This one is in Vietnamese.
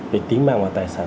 về tính mạng và tài sản